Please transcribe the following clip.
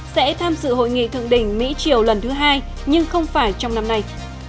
sẽ tham dự hội nghị thượng đỉnh mỹ triều lần thứ hai nhưng không phải trong năm nay